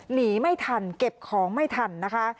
หนีไม่ทันเก็บของไม่ทันนะคะ